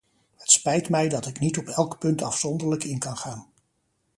Het spijt mij dat ik niet op elk punt afzonderlijk in kan gaan.